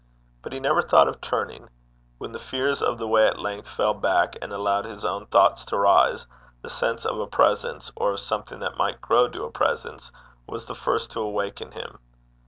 But he never thought of turning. When the fears of the way at length fell back and allowed his own thoughts to rise, the sense of a presence, or of something that might grow to a presence, was the first to awake in him.